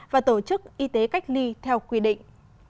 và tổ chức y tế cách ly theo quy định